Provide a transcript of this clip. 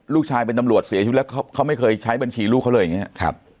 ลูกชายเป็นตำรวจเสียชีวิตแล้วเขาไม่เคยใช้บัญชีลูกเขาเลยอย่างนี้